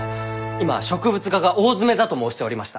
今植物画が大詰めだと申しておりました。